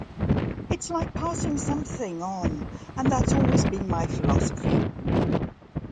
It's like passing something on and that's always been my philosophy.